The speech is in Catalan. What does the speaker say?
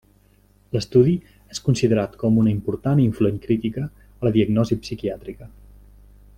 L'estudi és considerat com una important i influent crítica a la diagnosi psiquiàtrica.